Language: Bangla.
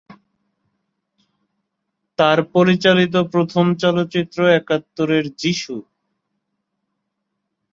তার পরিচালিত প্রথম চলচ্চিত্র একাত্তরের যীশু।